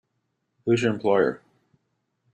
Who is your employer?